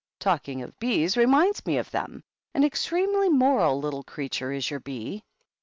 Talking of bees reminds me of them. An extremely moral little creature is your bee.